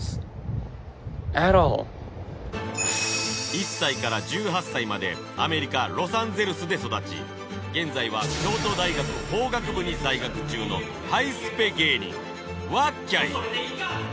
１歳から１８歳までアメリカロサンゼルスで育ち現在は京都大学法学部に在学中のハイスペ芸人わっきゃい